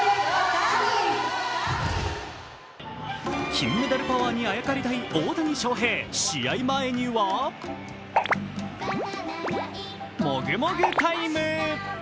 金メダルパワーにあやかりたい大谷翔平、試合前にはもぐもぐタイム。